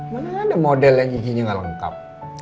mana ada model yang giginya nggak lengkap